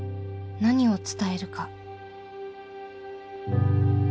何を伝えるか？